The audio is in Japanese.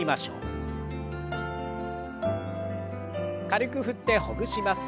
軽く振ってほぐします。